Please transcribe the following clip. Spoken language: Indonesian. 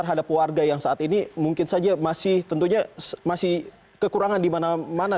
terhadap warga yang saat ini mungkin saja masih tentunya masih kekurangan di mana mana